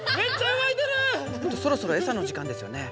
そろそろエサの時間ですよね。